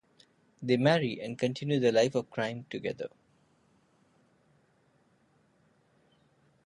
They marry and continue their life of crime together.